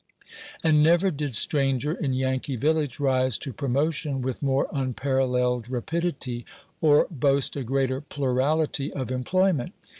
And never did stranger in Yankee village rise to promotion with more unparalleled rapidity, or boast a greater plurality of employment.